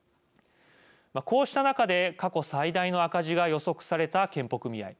こうした中で過去最大の赤字が予測された健保組合。